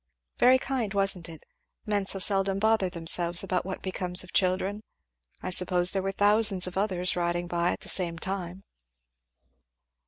Very kind, wasn't it? men so seldom bother themselves about what becomes of children, I suppose there were thousands of others riding by at the same time."